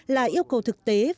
là yêu cầu thực tế